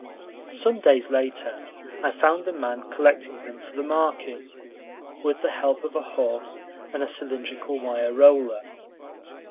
Some days later, I found a man collecting them for the market, with the help of a horse and a cylindrical wire roller.